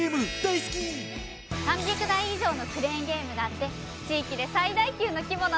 ３００台以上のクレーンゲームがあって地域で最大級の規模なのよ。